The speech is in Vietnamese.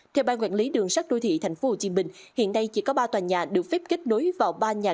theo ban quản lý đường sắt đô thị tp hcm hiện nay chỉ có ba tòa nhà được phép kết nối vào ba nhà